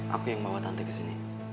aku yang bawa tante kesini